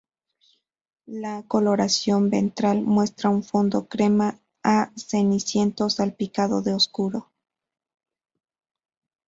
La coloración ventral muestra un fondo crema a ceniciento salpicado de oscuro.